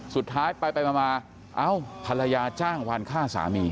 สุดท้ายไปมาเอ้าภรรยาจ้างวันฆ่าสามี